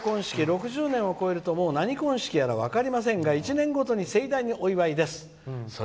６０年を超えると何婚式か分かりませんが１年ごとに盛大にお祝いです」。